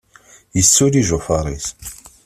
Yussuli ijufaṛ-is.